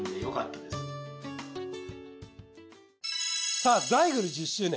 さあザイグル１０周年。